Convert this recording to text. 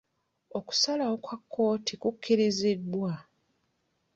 Okusalawo kwa kkooti ku kirizibwa.